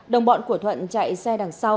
đồng bọn của thuận chạy xe đằng sau